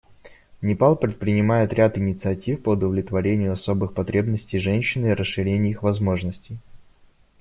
Непал предпринимает ряд инициатив по удовлетворению особых потребностей женщин и расширению их возможностей.